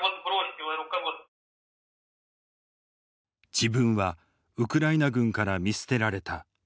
自分はウクライナ軍から見捨てられた。